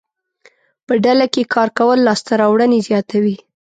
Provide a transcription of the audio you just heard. په ډله کې کار کول لاسته راوړنې زیاتوي.